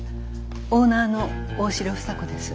オーナーの大城房子です。